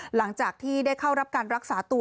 หลังจากที่ได้เข้ารับการรักษาตัว